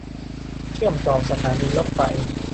เชื่อมต่อสถานีรถไฟ